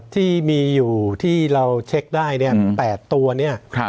ที่มีอยู่ที่เราเช็คได้เนี่ย๘ตัวเนี่ย